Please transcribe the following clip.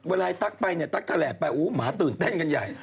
เวลาทักไปทักแถละไปหมาตื่นเต้นกันใหญ่